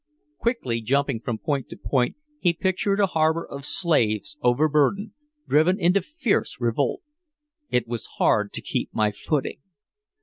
Quickly jumping from point to point he pictured a harbor of slaves overburdened, driven into fierce revolt. It was hard to keep my footing.